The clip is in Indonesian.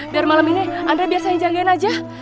biar malem ini andre biasanya jagain aja